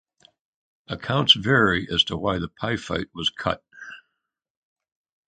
Accounts vary as to why the pie fight was cut.